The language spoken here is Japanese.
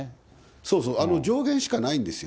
そうそう、上限しかないんですよ。